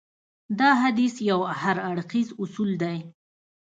دا حديث يو هراړخيز اصول دی.